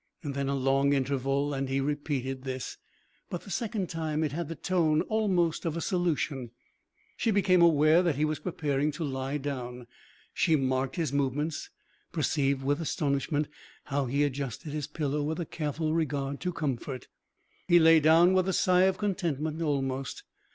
Then a long interval, and he repeated this. But the second time it had the tone almost of a solution. She became aware that he was preparing to lie down. She marked his movements, perceived with astonishment how he adjusted his pillow with a careful regard to comfort. He lay down with a sigh of contentment almost.